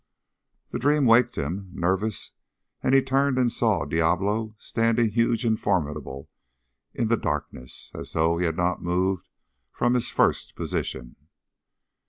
The dream waked him, nervous, and he turned and saw Diablo standing huge and formidable in the darkness, as though he had not moved from his first position.